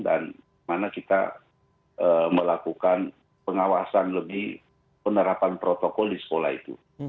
dan mana kita melakukan pengawasan lebih penerapan protokol di sekolah itu